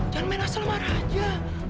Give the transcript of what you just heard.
jangan main asal marah aja